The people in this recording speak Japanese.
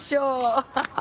アハハハ。